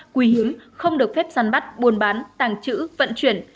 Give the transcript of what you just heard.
quý hiếm không được phép sản bắt buôn bán tàng trữ vận chuyển